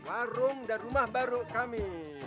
warung dan rumah baru kami